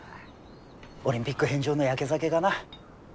オリンピック返上のやけ酒かな。